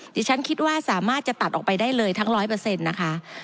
ดิฉันคิดว่าสามารถจะตัดออกไปได้เลยทั้ง๑๐๐นะคะ